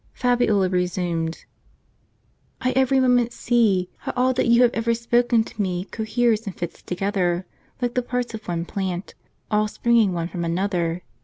Fabiola resumed: "I every moment see how all that you have ever spoken to me coheres and fits together, like the parts of one plant ; all springing one from another.